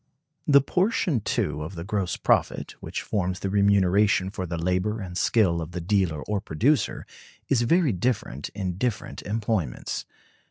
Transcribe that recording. The portion, too, of the gross profit, which forms the remuneration for the labor and skill of the dealer or producer, is very different in different employments.